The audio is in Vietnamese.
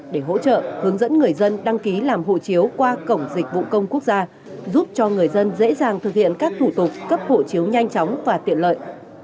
để hỗ trợ hướng dẫn người dân đăng ký làm hộ chiếu qua cổng dịch vụ công quốc gia giúp cho người dân dễ dàng thực hiện các thủ tục cấp hộ chiếu nhanh chóng và tiện lợi